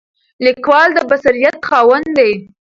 لیکوال د بصیرت خاوند دی.